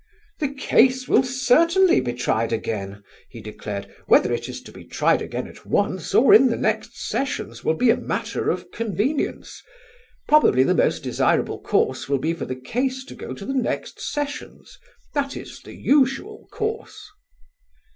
"The case will certainly be tried again," he declared, "whether it is to be tried again at once or in the next sessions will be a matter of convenience. Probably the most desirable course will be for the case to go to the next sessions. That is the usual course."